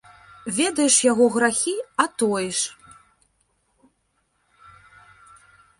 Ведаеш яго грахі, а тоіш.